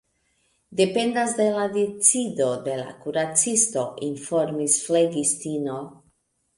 Dependas de la decido de la kuracisto, informis flegistino.